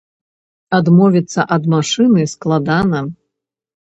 Адмовіцца ад машыны складана.